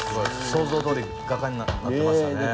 想像どおり画家になってましたね。